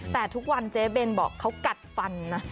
แต่ทุกวันเจ๊เบนบอกเขากัดฟันนะ